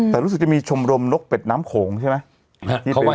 แต่รู้สึกจะมีชมรมนกเป็ดน้ำโขงใช่ไหม